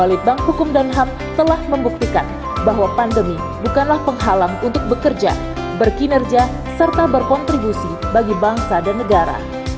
balitbank hukum dan ham telah membuktikan bahwa pandemi bukanlah penghalang untuk bekerja berkinerja serta berkontribusi bagi bangsa dan negara